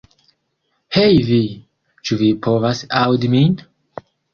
Hej vi, ĉu vi povas aŭdi min?